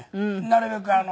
なるべく。